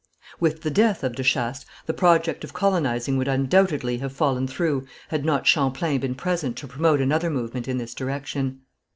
With the death of de Chastes, the project of colonizing would undoubtedly have fallen through had not Champlain been present to promote another movement in this direction.